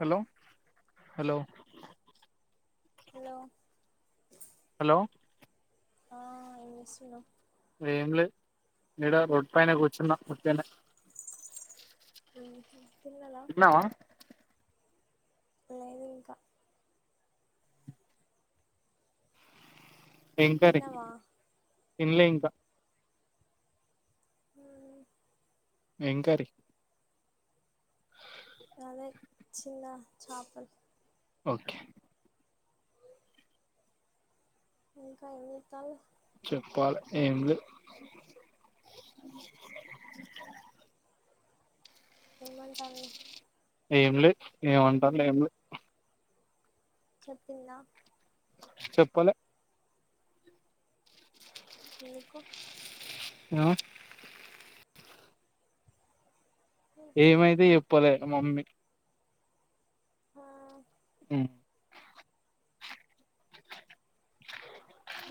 Hello hello hello hello ఆ ఏం జెస్తున్నవ్ ఏం లేద్ మీడ రోడ్డు పైన కూర్చున్నా ఉట్టిగానే ఉహు తిన్నలా లేదు ఇంకా ఏం కర్రీ? తిన్నావా తిన్లే ఇంక ఆ ఏం కర్రీ అదే చిన్న చాపల్ ఓకే ఇంకా ఏం జేతలు చెప్పాలె ఏం లేవ్ ఏమంటంది ఏం లేద్ ఏమంటంది ఏం లేద్ చెప్పిందా చెప్పలే ఎందుకు ఏమో ఉహు ఏమైతే చెప్పలే మమ్మీ హా ఆ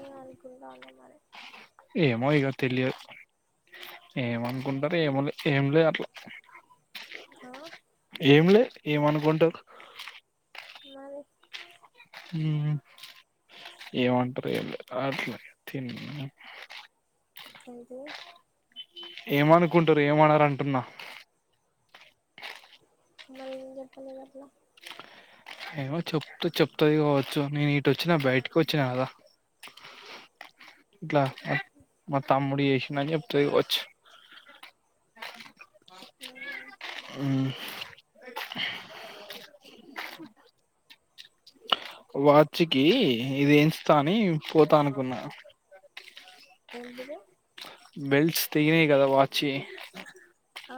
ఏమనుకుంటాళ్ళు మరీ ఏమో ఇక తెలియదు ఏమనుకుంటరు ఏమో లే ఏం లేదు అట్లా ఆ ఏంలే ఏమనుకుంటరు మరి ఉ ఉ ఏ వంటరో ఏమే ఆ ఆ తిన్న ఎంటి ఏమనుకుంటురు ఏమనరు అంటున్నా మళ్ నేన్ చెప్పలేద్ అట్ల ఏమో చెప్త చెప్తుది కావచ్చు నేను ఇటు వచ్చినా బయటికి వచ్చినా కదా ఇట్లా మా తమ్ముడి ఎసిన చెప్తతి కావచ్చు ఆ, అ వాచ్కి ఇదించుతా అని పోతా అనుకున్నా ఎంటిది బెల్ట్స్ తెగినయి కదా వాచ్ యి ఆ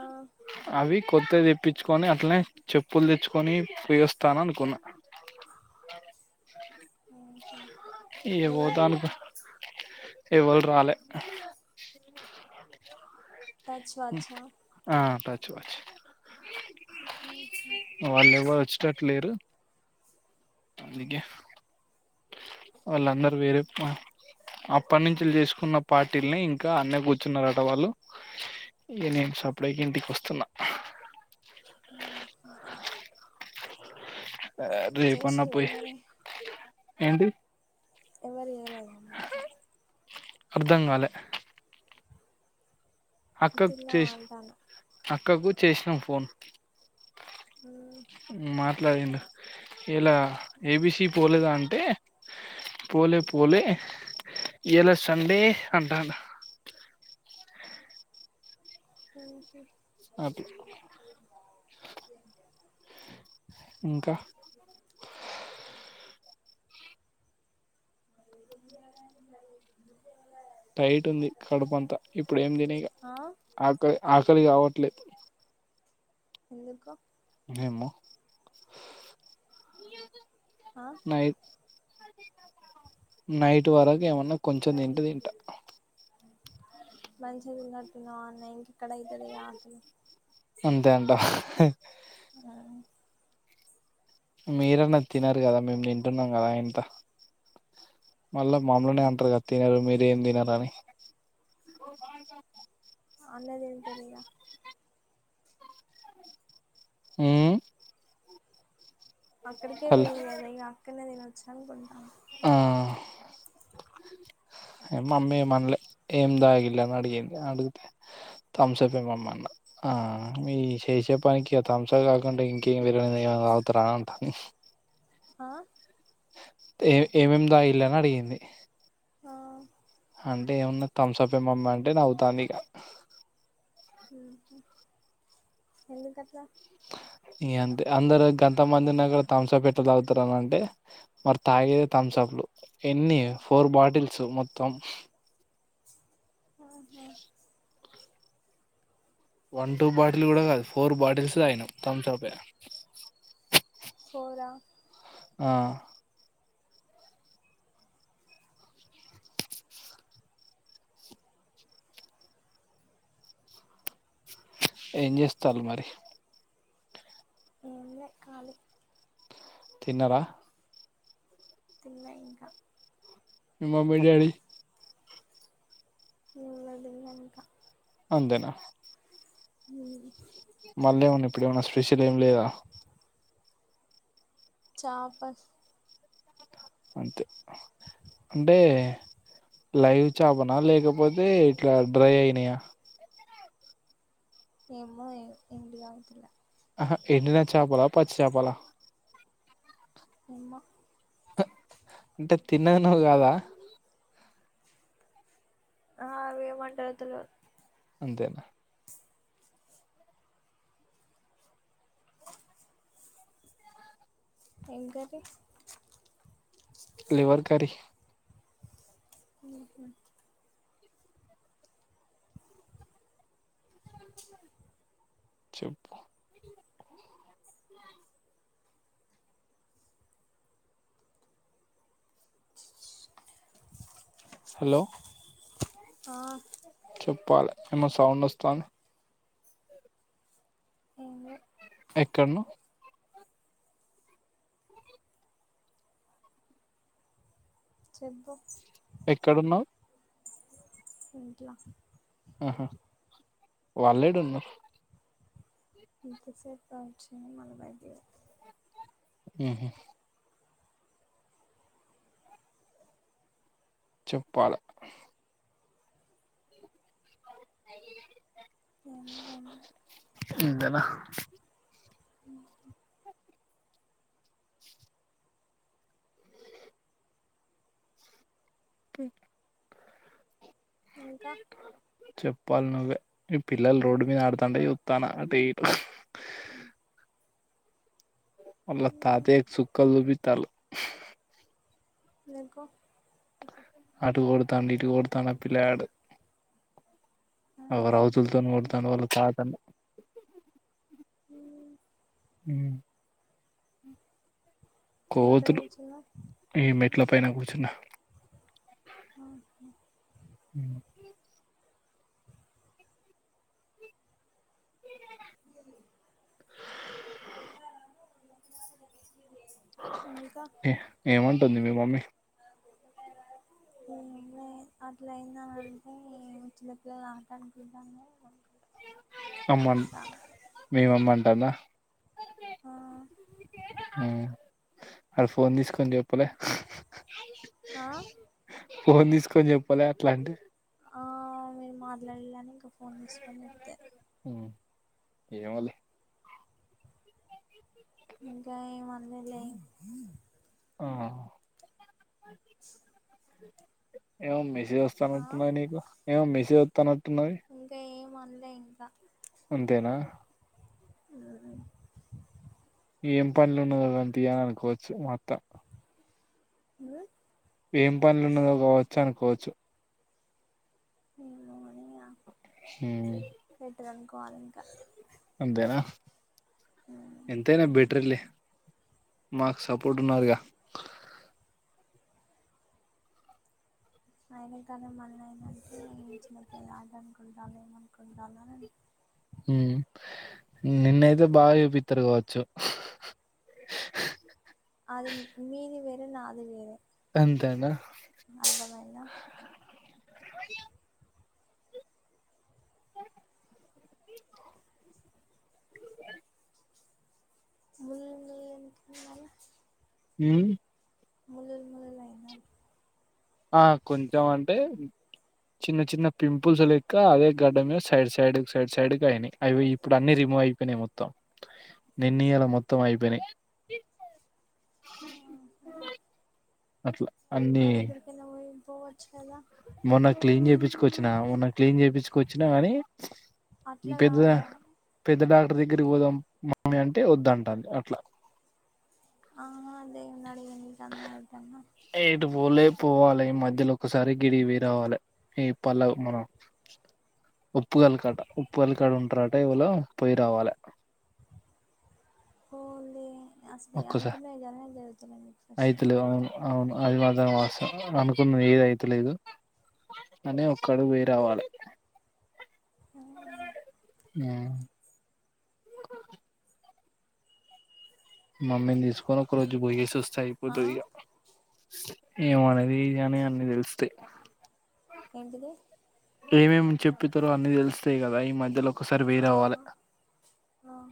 అవి కొత్తవి తెప్పించుకొని అట్లనే చెప్పులు తెచ్చుకొని పోయొస్తాననుకున్నా ఉహు ఇగ ఏది పోతా అనుకున్నా ఎవ్వల్రాలే టచ్ వాచా ఆ పచ్ వచ్చ ఉహు వాళ్ళు ఎవ్వరు వచ్చేటట్ లేరు అందుకే వాళ్ళ అందర్ వేరే పన్ అప్పట్నుంచి చేసుకున్న పార్టీల్నే ఇంకా అన్నే కూర్చున్న అటవాళ్ళు ఇగ నేన సప్పుడెక ఇంటికి వస్తున్నా అ హా అ రే పన్న చేసిల్లా పోయి మరి ఏంటి ఎవరియ్యలేదా అర్ధంకాలే అక్కకు తిన్నావా చేస్ అంటానా అక్కకు చేసినం ఫోన్ ఉ అట్లాదండి ఇలా ఏబిసీ పోలేదా అంటే పోలే పోలే ఇలా సండే అంటాండు ఉహూ అట్ల ఇంకా [inaudible] టైట్ ఉంది కడుపు అంతా ఇప్పుడు ఏం తినఇగ ఆ ఆకల్ ఆకలి కావట్లేదు ఎందుకు యమ్మో ఆ నైట్ నైట్ వరకు ఏమన్నా కొంచెం తింటే తింటా మంచిదిన్నట్టున్నా అన్నా ఇంకా కడ ఇదదిగా ఆకలి హ ఆ మీరన్న తినరు కదా మేము తింటున్నాం కదా ఇంత మళ్ళా మమ్ములనే అందుకే అంటారుగా తినరు మీరేం తినరని అన్నదింటదిగ మ్ అక్కడికే వెళ్ళి కదా ఇగ అక్కడనే తినొచ్చ అనుకుంటా. ఆ ఏ మమ్మీ ఏమనలే ఏం తగిళ్ళని అడిగింది. అడిగితే తంసపే మమ్మీ అన్న. ఆ మీ ఇ చేసే పనికి ఆ తంసప్ కాకుంటే ఇంకేమిర ఇ ఏమన్న తాగుతారా అంటాంది. ఆ ఏ ఏమేమి తాగిళ్ళని అడిగింది. ఆ అంటే ఏమన్న థమ్సప్ ఏ మమ్మీ అంటే నవ్వుతాంది ఇగ మ్ హు ఎందుకట్ల? ఇగ అంతే అందరు గంతమంది ఉన్నా కూడ తంసప్ ఎట్ల తాగుతారననంటే, మరి తా అయు తంసప్ లు ఎన్ని ఫోర్ బాటిల్స్ మొత్తం ఆహా వన్ టూ బాటిల్ కూడ కాదు. ఫోర్ బాటిల్స్ తాగినాము తంసపె ఫోర ఆ ఏం చేస్తాల్ మరి ఏం లే ఖాళీ. తిన్నార? తిన్ల ఇంకా మమ్మీ డాడీ ఎవ్వరు తిన్ల ఇంకా అందెనా మ్ మల్లేమన్న ఇప్పుడేమన్న స్పెషల్ ఏం లేదా చాపస్ అంతె. అంటే, లైవ్ చాపనా లేకపోతే ఇట్ల డ్రై అయినయా? ఏమో ఎండిదాంతుల ఆహ ఎండిన చాపలా పచ్చి చాపల? ఏమో అంటే తిన్నది నువ్వు కాద? ఆ అవేమంటారో తెల్వద్ అంతేనా ఏం కర్రి? లివర్ కర్రీ మ్హు చెప్పు హలో ఆ పోలే ఏమో సౌండ్ వస్తంది ఏం లె ఎక్కడను చెప్పు ఎక్కడున్నావు ఇంట్ల ఆహా వాళ్ళేడున్నారు ఇంతసేపు రావచ్చు కానీ మల్లా బయటికి పోయింది ఆహా చెప్పాల ఏం లే ఏం లే ఇంతనా అ ఆ ఇంకా చెప్పాల నువ్వే ఈ పిల్లలు రోడ్డు మీద ఆడుతాంట చుత్తాన అటు ఇటు వాళ్ల తాతయ్యకు చుక్కలు చూపితల్లు నీకో అటు కొడుతండు ఇటు కొడుతాండు ఆ పిలగాడు అగో రౌతుల తోటి కొడతండు వాళ్ల తాతను అ ఉమ్ ఎక్కడ కోతులు కూర్చున్నావ్ ఈ మెట్ల పైన కూర్ ర్చున్న హా ఇంకా ఏమంటుంది మీ మమ్మీ ఏం లే అట్లా అయిందంటే చిన్నపిల్లలు ఆటను కుంటాన్లా అమ్మను మీ మమ్మి అంటుందా ఆ ఆ అ ఫోన్ తీసుకొని చెప్పలే ఆ ఫోన్ తీసుకొని చెప్పలే అట్లంటే ఆ మీరు మాట్లాడలే అని ఇంకా ఫోన్ తీసుకొని చెప్తది ఉమ్, ఏమోలే ఇంకా ఏం అనలేదులే ఆ ఏమో మెసేజ్ ఆ వస్తానట్టున్నాది నీకు ఏమో మెసేజ్ వస్తానట్ ఇంకా ఏం అనలే ఇంకా అంతేనా ఆ ఏం పనిల ఉన్నదో కానీ తీ అనుకోవచ్చు మా అత్త హ ఏం పనిలన్నదో కావచ్చు అనుకోవచ్చు నేను హ ఇది అనుకోవాలి ఇంకా అంతేనా ఎంతైనా బెటర్ లే మాకు సపోర్ట్ ఉన్నారుగా అయినా కానీ మళ్ళ అయినంటే ఏ చిన్నప్పుల్లాట అనుకుంటల్ల ఏమనుకుంటాల్లు అని నిన్నయితే బాగ చూపిస్తారు కావచ్చు అంటే నాది వేరే అంతేన అర్థమైందా [unintelligible] హు ముల్లులు ముల్లులు అయినా ఆ కొంచెం అంటే చిన్న చిన్న పింపుల్స్ లెక్క అదే గడ్డ మీద సైడ్ సైడ్ సైడ్ సైడ్ కు అయినాయి అవి ఇప్పుడు అన్ని రి అయిపోయినాయి మొత్తం నిన్న ఇయాల మొత్తం అయిపోయినాయి అది అట్ల అన్ని వెళ్లిపోవచ్చు కదా మొన్న క్లీన్ చేపిచుకొచ్చిన మొన్న క్లీన్ చేపించుకొచ్చిన అని వచ్చినా కానీ అట్లా పెద్ద కాదు పెద్ద డాక్టర్ దగ్గరకి పోదాం పోదామంటే వద్దంటాంది అట్ల ఆ దేవుని అడిగింది తన్నాయి తన్న ఎటు పోలే పోవాలి మధ్యలో ఒకసారి గిడికి పొయ్యి రావాలి పోవాలి మధ్యలోమధ్యలో ఒకసారి గిడి వీ రావాలి ఈ పల్వ్ మనం ఉప్పుగల్ [unintelligible] ఉప్పు కలికాడ ఉంటారట ఇవళ పొయ్య రావలే అసలు ఒక్కసారి అనుకున్నా జాల జరుగుతున్నాండి ఫస్ అయితలేదు అవును అవును అది మాత్రం వాస్తవం అనుకున్నది ఏదీ అయిత లేదు [unintelligible] ఒక్క అడుగు పోయి రావలే అవును ఆ మమ్మీని తీసుకొని ఒక రోజు పోయేసి వస్తే ఆ అయిపోతది ఇగ ఏమన్నది గాని అని తెలుస్తాయి ఏంటిది ఏమేమి చెప్తారో అన్ని తెలుస్తాయి కదా ఈ మధ్యలో ఒకసారి పొయ్యి ఆ రావలే ఆహా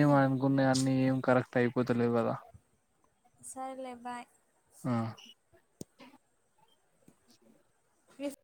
ఎం అనుకున్నా అన్నీ ఏం కరెక్ట్ అయిపోతలేవు కదా సర్లే బాయ్ ఆ మి